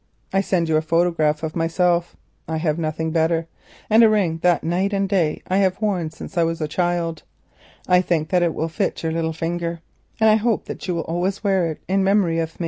I sent you a photograph of myself (I have nothing better) and a ring which I have worn night and day since I was a child. I think that it will fit your little finger and I hope you will always wear it in memory of me.